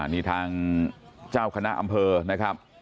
นี่ทางเจ้าคณะอำเภอนะครับ